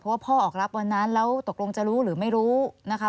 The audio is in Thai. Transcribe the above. ว่าพ่อออกรับวันนั้นแล้วตกลงจะรู้หรือไม่รู้นะคะ